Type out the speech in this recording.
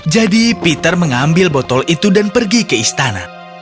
jadi peter mengambil botol itu dan pergi ke istana